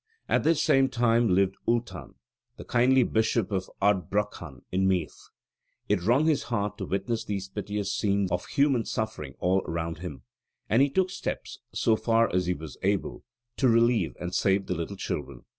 At this same time lived Ultan, the kindly bishop of Ardbraccan in Meath. It wrung his heart to witness these piteous scenes of human suffering all round him; and he took steps, so far as he was able, to relieve and save the little children.